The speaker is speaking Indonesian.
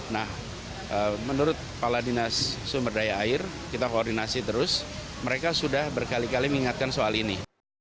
nah menurut kepala dinas sumber daya air kita koordinasi terus mereka sudah berkali kali mengingatkan soal ini